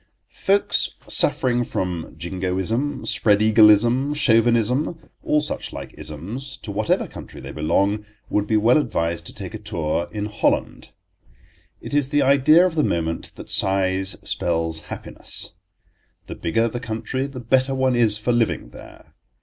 FOLKS suffering from Jingoism, Spreadeagleism, Chauvinism—all such like isms, to whatever country they belong—would be well advised to take a tour in Holland. It is the idea of the moment that size spells happiness. The bigger the country the better one is for living there.